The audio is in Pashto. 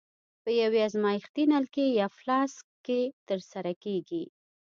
په یوې ازمایښتي نلکې یا فلاسک کې ترسره کیږي.